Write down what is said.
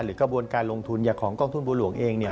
กระบวนการลงทุนอย่างของกองทุนบัวหลวงเอง